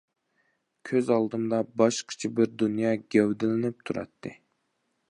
كۆز ئالدىمدا باشقىچە بىر دۇنيا گەۋدىلىنىپ تۇراتتى.